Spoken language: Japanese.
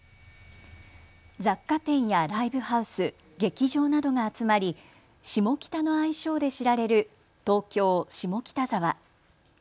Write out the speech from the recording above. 雑貨店やライブハウス、劇場などが集まりシモキタの愛称で知られる東京下北沢。